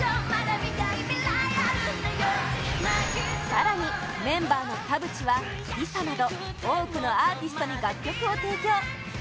更に、メンバーの田淵はＬｉＳＡなど多くのアーティストに楽曲を提供